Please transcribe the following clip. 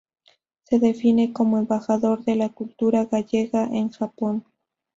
Se define como "embajador de la cultura gallega en Japón".